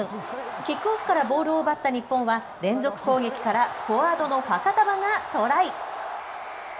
キックオフからボールを奪った日本は連続攻撃からフォワードのファカタヴァがトライ。